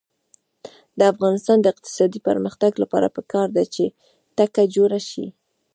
د افغانستان د اقتصادي پرمختګ لپاره پکار ده چې تکه جوړه شي.